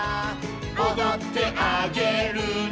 「おどってあげるね」